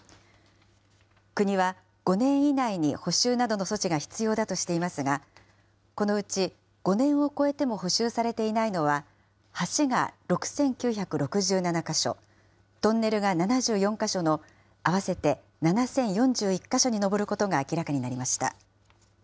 国は、５年以内に補修などの措置が必要だとしていますが、このうち５年を超えても補修されていないのは、橋が６９６７か所、トンネルが７４か所の合わせて７０４１か所に上ることが明らかになりました。